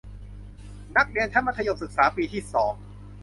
นักเรียนชั้นมัธยมศึกษาปีที่สอง